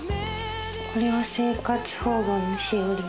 これは生活保護のしおりです。